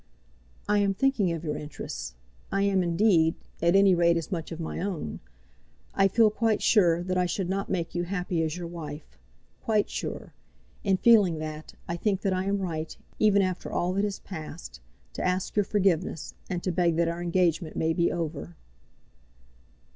"I am thinking of your interests; I am, indeed; at any rate as much as of my own. I feel quite sure that I should not make you happy as your wife, quite sure; and feeling that, I think that I am right, even after all that has passed, to ask your forgiveness, and to beg that our engagement may be over."